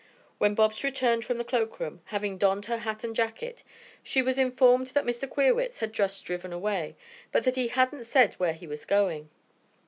When Bobs returned from the cloakroom, having donned her hat and jacket, she was informed that Mr. Queerwitz had just driven away, but that he hadn't said where he was going.